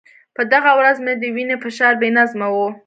په دغه ورځ مې د وینې فشار بې نظمه و.